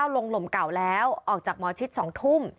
๙๙๙ลงหลมเก่าแล้วออกจากมชสองทุ่ม